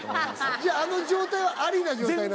じゃああの状態はありな状態。